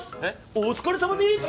お疲れさまでーす！